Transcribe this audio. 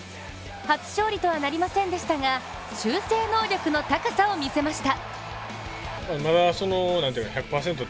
初勝利とはなりませんでしたが修正能力の高さを見せました。